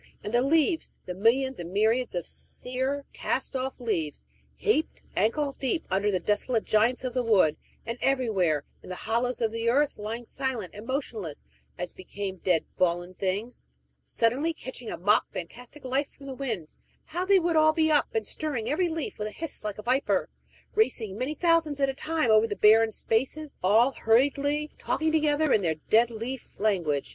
And the leaves the millions and myriads of sere, cast off leaves, heaped ankle deep under the desolate giants of the wood, and everywhere, in the hollows of the earth, lying silent and motionless, as became dead, fallen things suddenly catching a mock fantastic life from the wind, how they would all be up and stirring, every leaf with a hiss like a viper, racing, many thousands at a time, over the barren spaces, all hurriedly talking together in their dead leaf language!